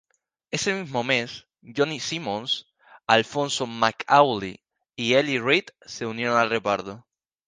Ese mismo mes, Johnny Simmons, Alphonso McAuley y Ellie Reed se unieron al reparto.